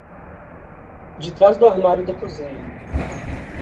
De trás do armário da cozinha.